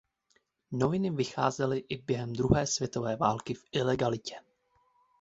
Noviny vycházely i během druhé světové války v ilegalitě.